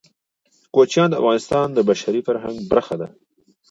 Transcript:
کوچیان د افغانستان د بشري فرهنګ برخه ده.